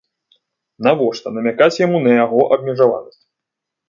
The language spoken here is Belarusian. Навошта намякаць яму на яго абмежаванасць?